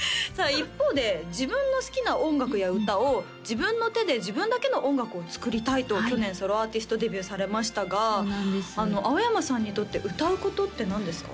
一方で自分の好きな音楽や歌を自分の手で自分だけの音楽を作りたいと去年ソロアーティストデビューされましたが青山さんにとって歌うことって何ですか？